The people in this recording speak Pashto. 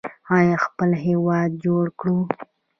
آیا خپل هیواد جوړ کړو؟